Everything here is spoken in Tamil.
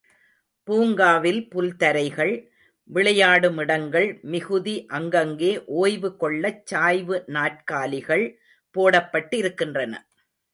பூங்காவில் புல் தரைகள், விளையாடுமிடங்கள் மிகுதி அங்கங்கே ஓய்வு கொள்ளச் சாய்வு நாற்காலிகள் போடப்பட்டிருக்கின்றன.